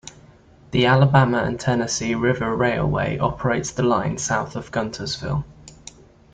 The Alabama and Tennessee River Railway operates the line south of Guntersville.